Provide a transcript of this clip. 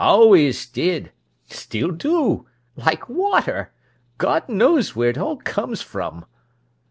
Always did! Still do! Like water! God knows where it all comes from!"